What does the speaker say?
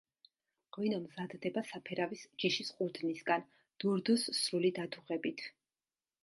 ღვინო მზადდება საფერავის ჯიშის ყურძნისგან, დურდოს სრული დადუღებით.